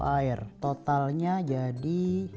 air totalnya jadi